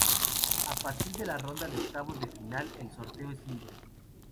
A partir de la ronda de octavos de final el sorteo es libre.